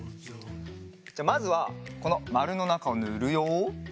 じゃあまずはこのまるのなかをぬるよ。